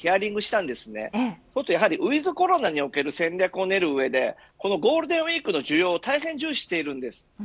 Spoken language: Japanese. そうするとウィズコロナにおける戦略を練る上でゴールデンウイークの需要を大変重視しています。